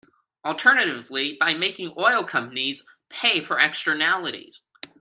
Alternatively, by making oil companies pay for externalities.